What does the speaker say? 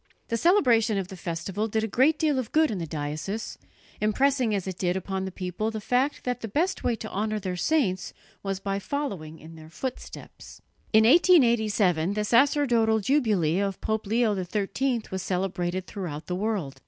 The celebration of the festival did a great deal of good in the diocese, impressing as it did upon the people the fact that the best way to honour their saints was by following in their footsteps. In 1887 the sacerdotal jubilee of Pope Leo XIII was celebrated throughout the world.